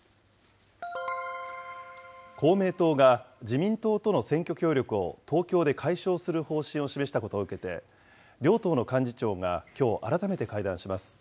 公明党が、自民党との選挙協力を東京で解消する方針を示したことを受けて、両党の幹事長がきょう改めて会談します。